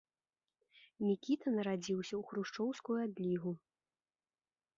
Мікіта нарадзіўся ў хрушчоўскую адлігу.